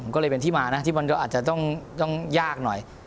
ก็เลยเป็นที่มานะที่มันก็อาจจะต้องยากหน่อย